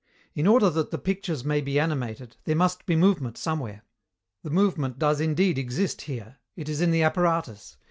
In order that the pictures may be animated, there must be movement somewhere. The movement does indeed exist here; it is in the apparatus.